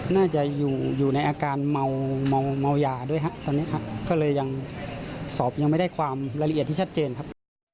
น่าจะอยู่ในอาการเมายาด้วยฮะตอนนี้ครับก็เลยยังสอบยังไม่ได้ความรายละเอียดที่ชัดเจนครับ